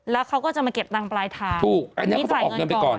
แล้วเขาก็จะมาเก็บตังค์ปลายทางถูกอันนี้จ่ายเงินก่อน